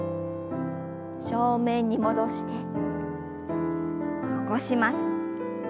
正面に戻して起こします。